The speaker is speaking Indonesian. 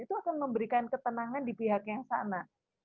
itu akan memberikan ketenangan di pihak yang sama